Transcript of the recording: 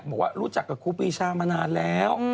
บอกว่ารู้จักกับครูปีชามานานแล้ว